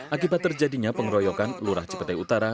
akibat terjadinya pengeroyokan lurah cipete utara